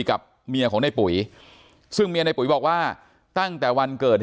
กับเมียของในปุ๋ยซึ่งเมียในปุ๋ยบอกว่าตั้งแต่วันเกิด